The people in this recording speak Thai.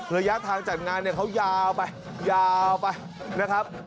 ระยะทางจัดงานเขายาวไปไปนะครับ